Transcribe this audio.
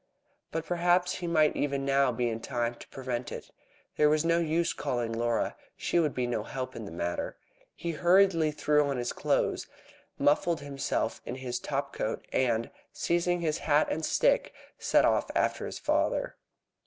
But perhaps he might even now be in time to prevent it. There was no use calling Laura. She could be no help in the matter. He hurriedly threw on his clothes, muffled himself in his top coat, and, seizing his hat and stick, he set off after his father.